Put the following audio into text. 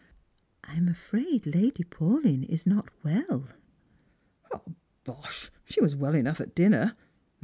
" I am afraid Lady Paiilyn is not well." " Bosh ! She was well enough at dinner.